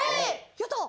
やったー！